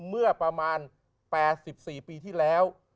เมื่อประมาณ๘๔ปีที่แล้ว